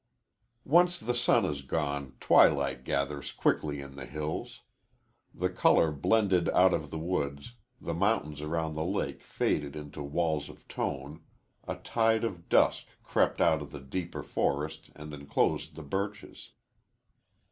Once the sun is gone, twilight gathers quickly in the hills. The color blended out of the woods, the mountains around the lake faded into walls of tone, a tide of dusk crept out of the deeper forest and enclosed the birches.